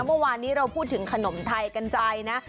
เมื่อวานนี้เราพูดถึงขนมไทยกันใจนะ